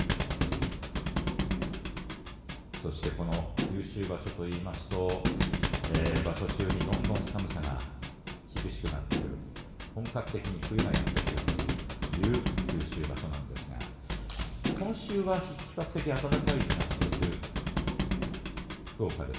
九州場所といいますと場所中にどんどん寒さが厳しくなってくる本格的に冬がやってくるという九州場所なんですが今週は比較的、暖かい日が続く福岡です。